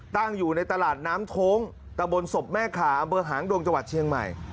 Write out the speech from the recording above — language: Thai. ตั้งอยู่ในตลาดน้ำโท้งตะบนศพแม่ขาอำเภอหางดงจังหวัดเชียงใหม่